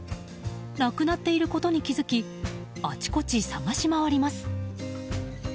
なくなっていることに気づきあちこち探し回ります。